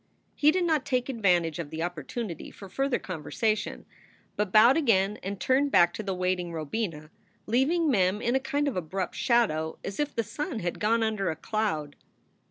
He did not take advantage of the opportunity for further conversation, but bowed again and turned back to the waiting Robina, leaving Mem in a kind of abrupt shadow, as if the sun had gone under a cloud.